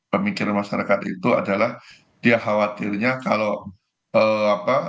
pemikiran masyarakat itu adalah dia khawatirnya kalau apa